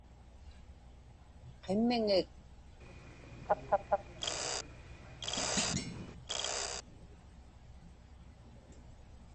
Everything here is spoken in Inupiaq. qimmiŋik